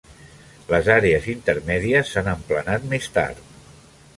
Les àrea intermèdies s'han emplenat més tard.